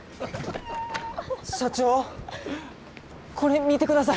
社長これ見てください。